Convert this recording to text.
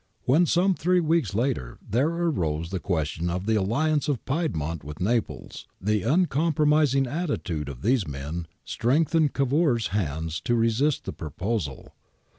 ^ When, some three weeks later, there arose the question of the alliance of Piedmont with Naples, the uncompromising attitude of these men strengthened Cavour's hands to resist the proposal.